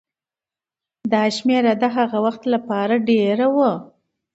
دا شمېره د هغه وخت لپاره ډېره وه.